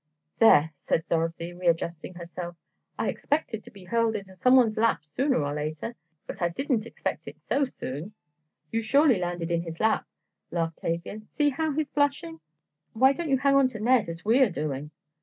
"There," said Dorothy, readjusting herself, "I expected to be hurled into someone's lap sooner or later, but I didn't expect it so soon." "You surely landed in his lap," laughed Tavia, "see how he's blushing. Why don't you hang onto Ned, as we are doing."